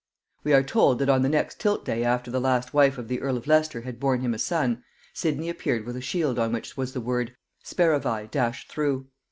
We are told that on the next tilt day after the last wife of the earl of Leicester had borne him a son, Sidney appeared with a shield on which was the word "Speravi" dashed through.